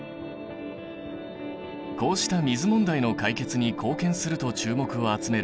こうした水問題の解決に貢献すると注目を集める逆浸透膜。